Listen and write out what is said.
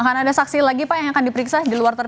akan ada saksi lagi pak yang akan diperiksa di luar